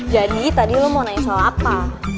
jadi tadi lo mau nanya soal apa